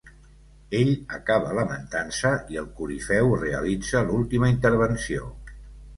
Ell acaba lamentant-se i el corifeu realitza l'última intervenció.